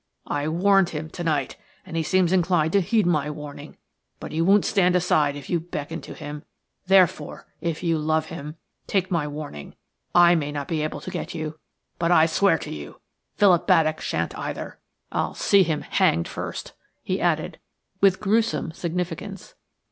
"I warned him to night, and he seems inclined to heed my warning; but he won't stand aside if you beckon to him. Therefore, if you love him, take my warning. I may not be able to get you, but I swear to you that Philip Baddock shan't either. I'll see him hanged first," he added, with gruesome significance.